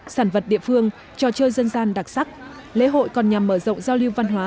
sản vật địa phương trò chơi dân gian đặc sắc lễ hội còn nhằm mở rộng giao lưu văn hóa